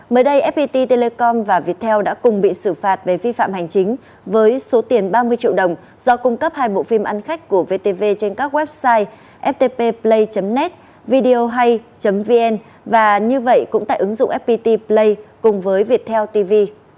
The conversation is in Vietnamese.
mới đây fpt telecom và viettel đã cùng bị xử phạt về vi phạm hành chính với số tiền ba mươi triệu đồng do cung cấp hai bộ phim ăn khách của vtv trên các website ftp play net video hay vn và như vậy cũng tại ứng dụng fpt play cùng với viettel tv